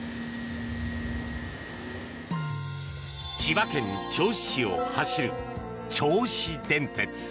千葉県銚子市を走る銚子電鉄。